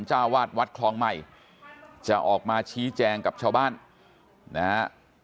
เจ้าวาดวัดคลองใหม่จะออกมาชี้แจงกับชาวบ้านนะฮะ